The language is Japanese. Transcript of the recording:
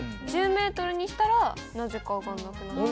１０ｍにしたらなぜか上がんなくなった。